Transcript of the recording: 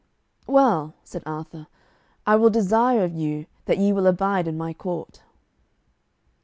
"Well," said Arthur, "I will desire of you that ye will abide in my court."